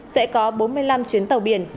sẽ có bốn mươi năm chuyến tàu biển